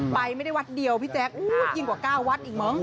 ไปไม่ได้วัดเดียวพี่แจ๊คยิ่งกว่า๙วัดอีกมั้ง